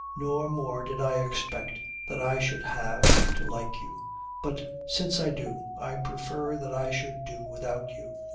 No more did I expect that I should have to like you. But since I do, I prefer that I should do without you.